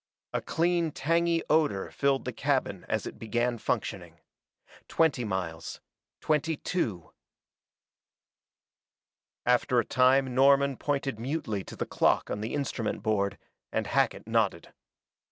A clean, tangy odor filled the cabin as it began functioning. Twenty miles twenty two After a time Norman pointed mutely to the clock on the instrument board, and Hackett nodded.